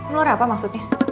nular apa maksudnya